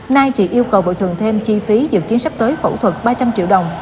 nay chị yêu cầu bồi thường thêm chi phí dự kiến sắp tới phẫu thuật ba trăm linh triệu đồng